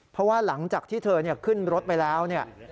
เพราะว่าหลังจากที่เธอขึ้นรถไปแล้วเนี่ย